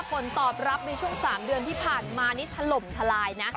ผลตอบรับในช่วง๓เดือนที่ผ่านมานี่ถล่มทลายนะ